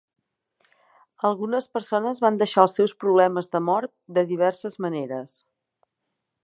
Algunes persones van deixar els seus problemes de mort de diverses maneres.